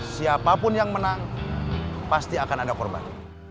siapapun yang menang pasti akan ada korban